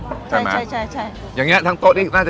คนที่มาทานอย่างเงี้ยควรจะมาทานแบบคนเดียวนะครับ